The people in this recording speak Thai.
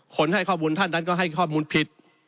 ให้ข้อมูลท่านนั้นก็ให้ข้อมูลผิด